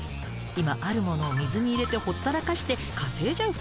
今あるものを水に入れてほったらかして稼いじゃう